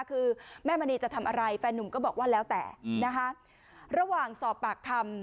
คือแม่มณีจะทำอะไรแฟนหนุ่มก็บอกว่าแล้วแต่นะคะระหว่างสอบปากคำ